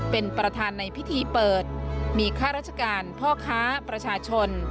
เป็นประธานในพิธีเปิดมีข้าราชการพ่อค้าประชาชน